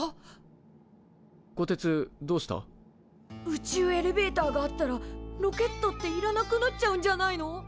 宇宙エレベーターがあったらロケットっていらなくなっちゃうんじゃないの？